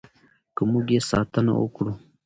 که موږ یې ساتنه وکړو.